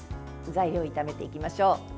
材料を炒めていきましょう。